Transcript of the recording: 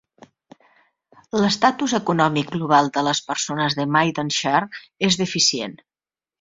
L"estatus econòmic global de les persones de Maidan Shar és deficient.